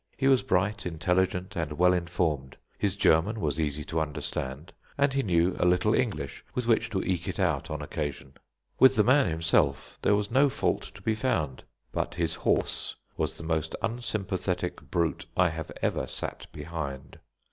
He was bright, intelligent, and well informed; his German was easy to understand, and he knew a little English with which to eke it out on occasion. With the man himself there was no fault to be found, but his horse was the most unsympathetic brute I have ever sat behind.